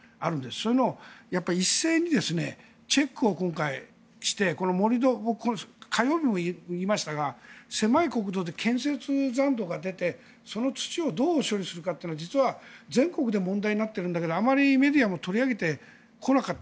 そういうのを一斉に今回チェックをして盛り土、火曜日も言いましたが狭い国土で建設残土が出てその土をどう処理するかは実は、全国で問題になっているんだけどあまりメディアも取り上げてこなかった。